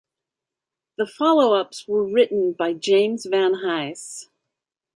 The follow-ups were written by James Van Hise.